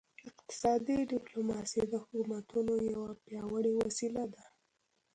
اقتصادي ډیپلوماسي د حکومتونو یوه پیاوړې وسیله ده